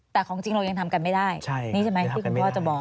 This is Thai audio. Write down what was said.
แต่ของจริงเรายังทำกันไม่ได้นี่ใช่ไหมที่คุณพ่อจะบอก